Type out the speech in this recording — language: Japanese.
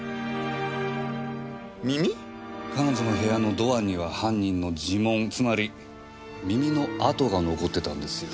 彼女の部屋のドアには犯人の耳紋つまり耳の跡が残ってたんですよ。